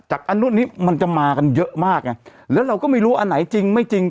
อันนู้นนี้มันจะมากันเยอะมากไงแล้วเราก็ไม่รู้อันไหนจริงไม่จริง